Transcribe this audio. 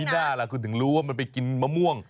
หน้าล่ะคุณถึงรู้ว่ามันไปกินมะม่วง